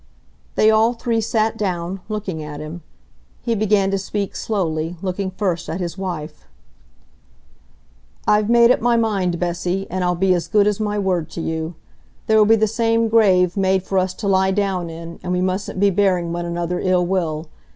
They all three sat down, looking at him. He began to speak slowly, looking first at his wife. "I've made up my mind, Bessy, and I'll be as good as my word to you. There'll be the same grave made for us to lie down in, and we mustn't be bearing one another ill will.